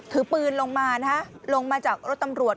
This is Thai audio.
ถือปืนลงมานะฮะลงมาจากรถตำรวจ